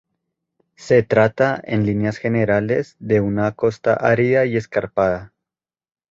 Se trata, en líneas generales de una costa árida y escarpada.